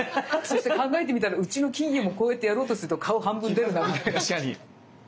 そして考えてみたらうちの金魚もこうやってやろうとすると顔半分出てたみたいな。